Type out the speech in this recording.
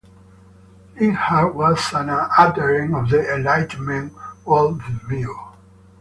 Linhart was an adherent of the Enlightenment worldview.